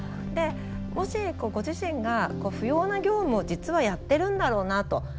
でもしご自身が不要な業務を実はやってるんだろうなと。